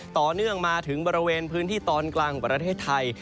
ต่อเนื่องมาถึงบริเวณพื้นที่ตอนกลางของประเทศไทย